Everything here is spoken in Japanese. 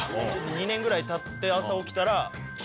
２年ぐらいたって朝起きたら。